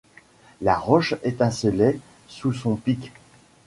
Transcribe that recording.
La roche étincelait sous son pic